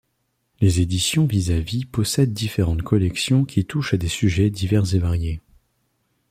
Les éditions Vizavi possèdent différentes collections qui touchent à des sujets divers et variés.